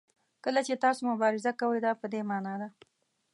کله چې تاسو مبارزه کوئ دا په دې معنا ده.